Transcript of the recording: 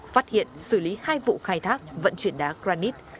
phát hiện xử lý hai vụ khai thác vận chuyển đá granite